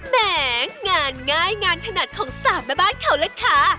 แหมงานง่ายงานถนัดของสามแม่บ้านเขาล่ะค่ะ